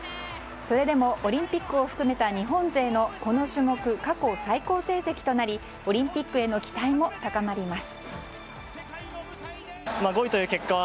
それでもオリンピックを含めた日本勢のこの種目過去最高成績となりオリンピックへの期待も高まります。